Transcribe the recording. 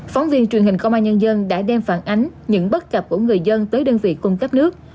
phóng viên truyền hình công an nhân dân đã đem phản ánh những bất cập của người dân tới đơn vị cung cấp nước